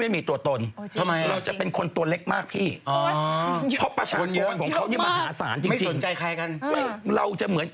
เกิดอะไรขึ้นแล้วนะแม่อืม